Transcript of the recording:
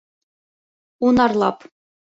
Унарлап